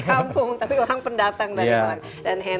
mengurusi kampung tapi orang pendatang dari orang